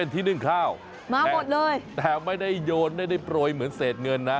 แต่ไม่ได้โยนไม่ได้โปรยเหมือนเศษเงินนะ